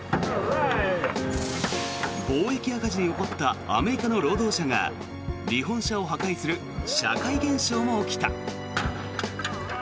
貿易赤字に怒ったアメリカの労働者が日本車を破壊する社会現象も起きた。